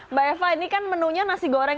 mbak eva ini kan menunya nasi goreng